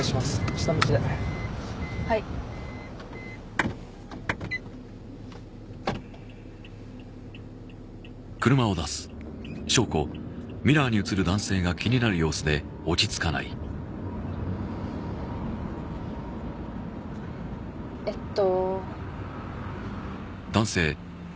下道ではいえっと